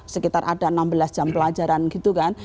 sekitar ada enam belas jam pelajaran gitu kan